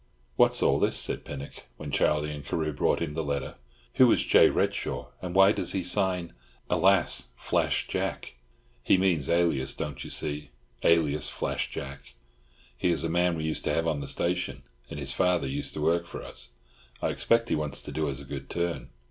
'" "What's all this?" said Pinnock, when Charlie and Carew brought him the letter. "Who is J. Redshaw, and why does he sign "alas Flash Jack?" "He means Alias, don't you see? Alias Flash Jack. He is a man we used to have on the station, and his father used to work for us—I expect he wants to do us a good turn."